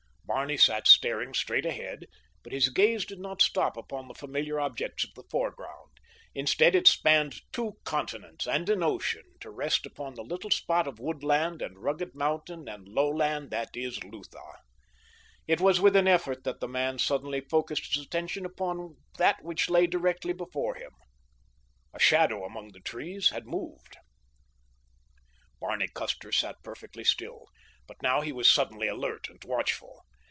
Barney sat staring straight ahead, but his gaze did not stop upon the familiar objects of the foreground. Instead it spanned two continents and an ocean to rest upon the little spot of woodland and rugged mountain and lowland that is Lutha. It was with an effort that the man suddenly focused his attention upon that which lay directly before him. A shadow among the trees had moved! Barney Custer sat perfectly still, but now he was suddenly alert and watchful.